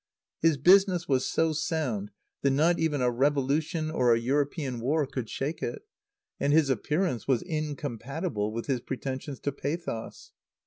His business was so sound that not even a revolution or a European war could shake it. And his appearance was incompatible with his pretensions to pathos.